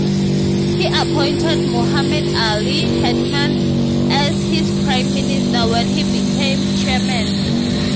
He appointed Muhammad Ali Haitham as his Prime Minister when he became Chairman.